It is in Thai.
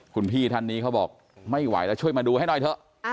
คุณพี่ท่านนี้เขาบอกไม่ไหวแล้วช่วยมาดูให้หน่อยเถอะ